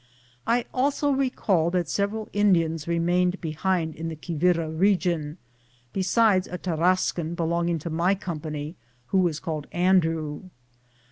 I also recall that several In dians remained behind in the Qui vira region, besides a Tarascan belonging to my com pany, who was named Andrew.